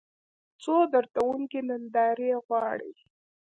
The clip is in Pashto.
څو دردونکې نندارې غواړي